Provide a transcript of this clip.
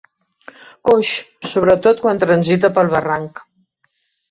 Coix, sobretot quan transita pel barranc.